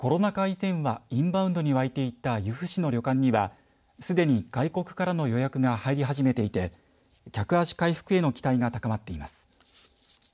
以前はインバウンドにわいていた由布市の旅館にはすでに外国からの予約が入り始めていて客足回復への期待が高まっています。